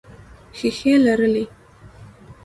ښیښې لرلې.